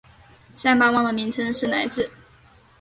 三巴旺的名称是来至。